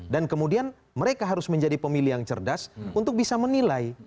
dan kemudian mereka harus menjadi pemilih yang cerdas untuk bisa menilai